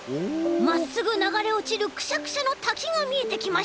まっすぐながれおちるくしゃくしゃのたきがみえてきました。